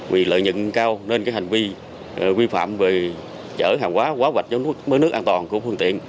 vì lợi nhận cao nên cái hành vi vi phạm về trở hàng hóa quá vạch dấu mớ nước an toàn của phương tiện